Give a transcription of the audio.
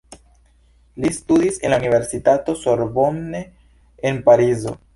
Li studis en la Universitato Sorbonne en Parizo.